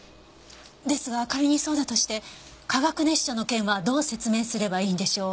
ですが仮にそうだとして化学熱傷の件はどう説明すればいいんでしょう？